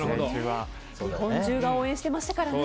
日本中が応援してましたからね。